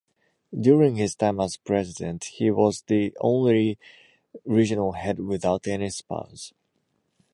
During his time as president, he was the only regional head without any spouse.